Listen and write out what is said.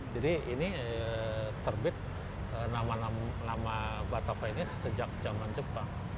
jadi ini terbit nama nama batavia ini sejak zaman jepang